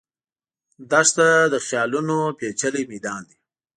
دښته د خیالونو پېچلی میدان دی.